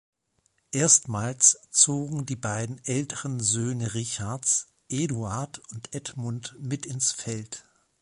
Erstmals zogen die beiden älteren Söhne Richards, Eduard und Edmund, mit ins Feld.